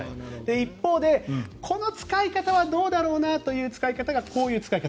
一方でこの使い方はどうだろうなというのがこの使い方。